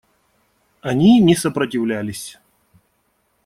Они не сопротивлялись.